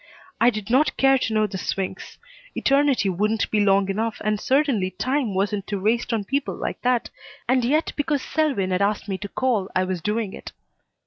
I did not care to know the Swinks. Eternity wouldn't be long enough, and certainly time wasn't to waste on people like that, and yet because Selwyn had asked me to call I was doing it.